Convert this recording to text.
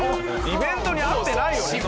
イベントに合ってないよね。